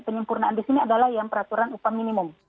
penyempurnaan di sini adalah yang peraturan upah minimum